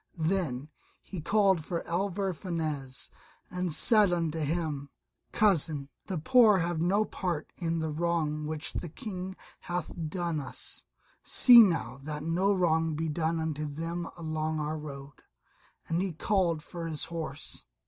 Then he called for Alvar Fanez and said unto him, "Cousin, the poor have no part in the wrong which the King hath done us; see now that no wrong be done unto them along our road," and he called for his horse.